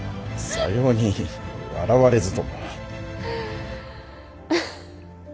さように笑われずとも。